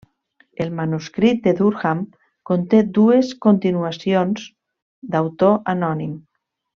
El manuscrit de Durham conté dues continuacions d'autor anònim.